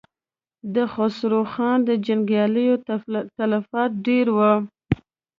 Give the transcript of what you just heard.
د خسرو خان د جنګياليو تلفات ډېر و.